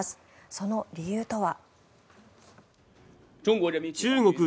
その理由とは。